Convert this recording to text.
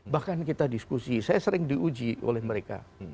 bahkan kita diskusi saya sering diuji oleh mereka